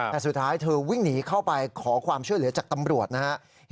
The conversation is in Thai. แต่สุดท้ายเธอวิ่งหนีเข้าไปขอความช่วยเหลือจากตำรวจนะครับ